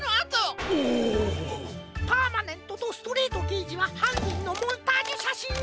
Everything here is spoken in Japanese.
パーマネントとストレートけいじははんにんのモンタージュしゃしんを！